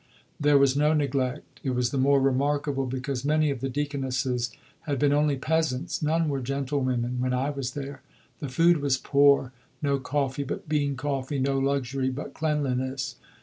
There was no neglect. It was the more remarkable because many of the Deaconesses had been only peasants none were gentlewomen (when I was there). The food was poor. No coffee but bean coffee. No luxury; but cleanliness."